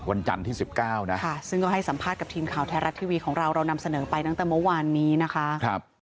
โอ้โฮโอ้โฮโอ้โฮโอ้โฮโอ้โฮโอ้โฮโอ้โฮโอ้โฮโอ